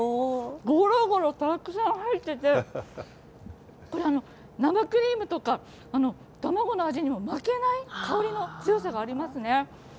ごろごろたくさん入ってて、これ、生クリームとか卵の味にも負けない香りの強さがありますね。